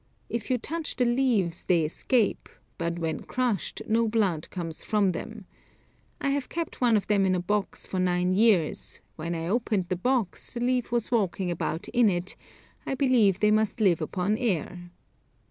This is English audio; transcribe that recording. If you touch the leaves, they escape; but when crushed no blood comes from them. I have kept one of them in a box for nine days; when I opened the box, the leaf was walking about in it; I believe they must live upon air."